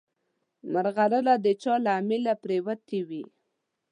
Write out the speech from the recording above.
مرغلره د چا له امیله پرېوتې وي.